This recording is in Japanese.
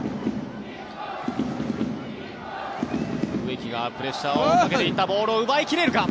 植木がプレッシャーをかけていったボールを奪い切れるか？